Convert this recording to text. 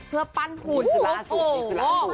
เพื่อปั้นหุ่นสบายสุดอีกแล้ว